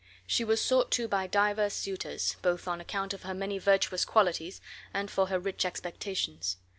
She was sought to by divers suitors, both on account of her many virtuous qualities and for her rich expectations.